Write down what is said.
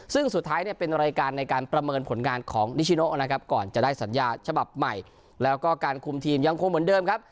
ซึ่งสุดท้ายเนี่ยเป็นรายการในการประเมินผลงานของนิชิโนนะครับก่อนจะได้สัญญาฉบับใหม่แล้วก็การคุมทีมยังคงเหมือนเดิมครับ